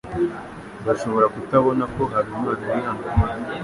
Bashobora kutabona ko Habimana atari hano.